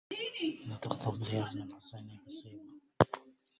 لا تغتبط يا بن الحصين بصبية